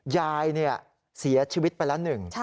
ยายเสียชีวิตไปแล้วหนึ่ง